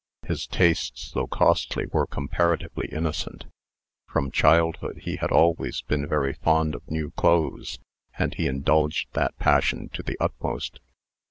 His tastes, though costly, were comparatively innocent. From childhood he had always been very fond of new clothes, and he indulged that passion to the utmost.